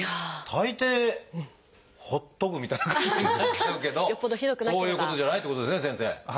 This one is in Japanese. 大抵ほっとくみたいな感じになっちゃうけどそういうことじゃないってことですね先生。